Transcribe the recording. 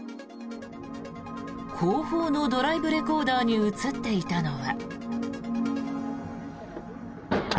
後方のドライブレコーダーに映っていたのは。